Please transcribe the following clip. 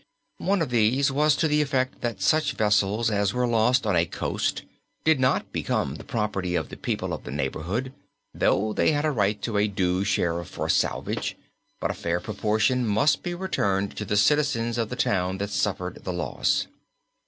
One of these was to the effect that such vessels as were lost on a coast did not become the property of the people of the neighborhood, though they had a right to a due share for salvage, but a fair proportion must be returned to the citizens of the town that suffered the loss.